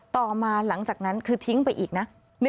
ต่อมาหลังจากนั้นคือทิ้งไปอีกนะ